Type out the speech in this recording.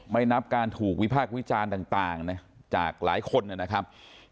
นับการถูกวิพากษ์วิจารณ์ต่างจากหลายคนนะครับ